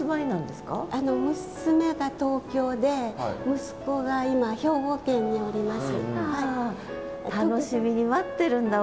娘が東京で息子が今兵庫県におります。